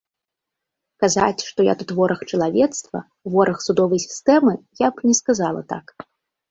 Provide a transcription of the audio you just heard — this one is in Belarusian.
Казаць, што я тут вораг чалавецтва, вораг судовай сістэмы, я б не сказала так.